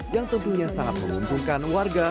yang tentunya sangat menguntungkan warga